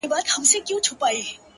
• هغه سندري د باروتو او لمبو ويلې,